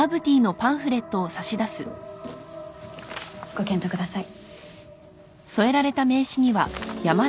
ご検討ください。